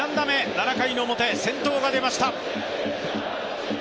７回の表、先頭が出ました。